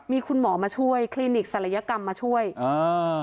มีคุณหมอมาช่วยคลินิกศัลยกรรมมาช่วยอ่า